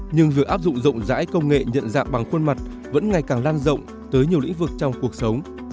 nhưng việc áp dụng rộng rãi công nghệ nhận dạng bằng khuôn mặt vẫn ngày càng lan rộng tới nhiều lĩnh vực trong cuộc sống